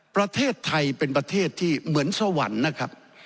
ประเทศไทยเป็นประเทศที่เหมือนสวรรค์นะครับ